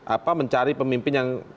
apa mencari pemimpin yang